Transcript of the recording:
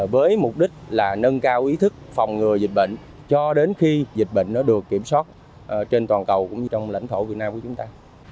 với mục đích là nâng cao ý thức phòng ngừa dịch bệnh cho đến khi dịch bệnh được kiểm soát trên toàn cầu cũng như trong lãnh thổ việt nam của chúng ta